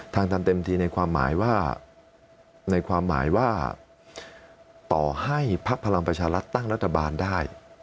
ทันเต็มทีในความหมายว่าในความหมายว่าต่อให้ภักดิ์พลังประชารัฐตั้งรัฐบาลได้